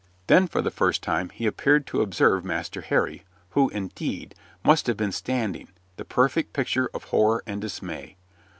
Then for the first time he appeared to observe Master Harry, who, indeed, must have been standing, the perfect picture of horror and dismay.